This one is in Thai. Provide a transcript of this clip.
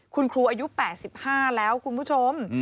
คุณครูอายุ๘๕แล้วคุณผู้ชม